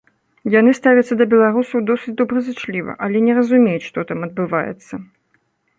Яны ставяцца да беларусаў досыць добразычліва, але не разумеюць, што там адбываецца.